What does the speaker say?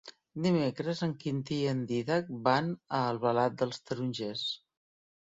Dimecres en Quintí i en Dídac van a Albalat dels Tarongers.